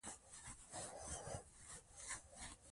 د پوهې ډيوه بله وساتئ.